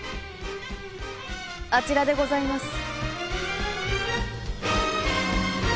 あちらでございます。